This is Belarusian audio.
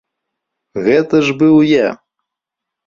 Гэта ж быў я!